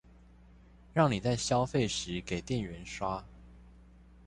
讓你在消費時給店員刷